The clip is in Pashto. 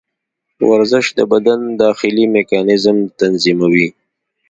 ورزش د بدن داخلي میکانیزم تنظیموي.